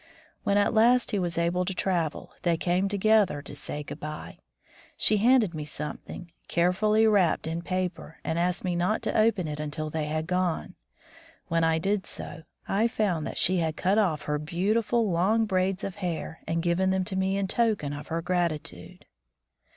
When at last he was able to travel, they came together to say good bye. She handed me something, carefully wrapped in paper, and asked me not to open it until they had gone. When I did so, I found that she had cut off her beautiful long braids of hair and given them to me in token of her gratitude